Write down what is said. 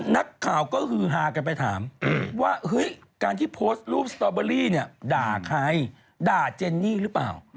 นักข่าวก็ฮือฮากันไปถามว่าเฮ้ยการที่โพสต์รูปสตอเบอรี่เนี่ยด่าใครด่าเจนนี่หรือเปล่า